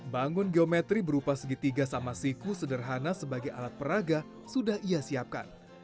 bangun geometri berupa segitiga sama siku sederhana sebagai alat peraga sudah ia siapkan